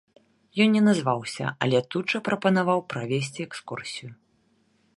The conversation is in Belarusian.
Ён не назваўся, але тут жа прапанаваў правесці экскурсію.